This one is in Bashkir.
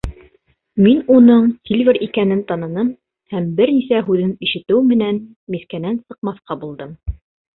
Мин уның Сильвер икәнен таныным һәм бер нисә һүҙен ишетеү менән мискәнән сыҡмаҫҡа булдым.